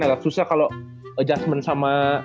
agak susah kalau adjustment sama